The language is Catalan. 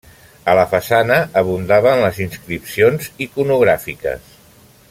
A la façana abundaven les inscripcions iconogràfiques.